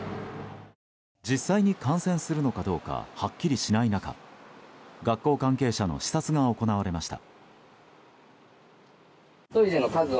実際に観戦するのかどうかはっきりしない中、学校関係者の視察が行われました。